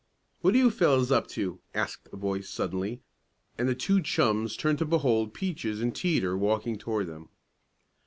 "What are you fellows up to?" asked a voice suddenly, and the two chums turned to behold Peaches and Teeter walking toward them.